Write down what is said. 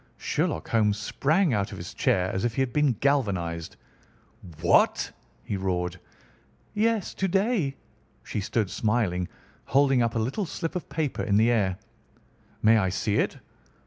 Sherlock Holmes sprang out of his chair as if he had been galvanised. "What!" he roared. "Yes, to day." She stood smiling, holding up a little slip of paper in the air. "May I see it?"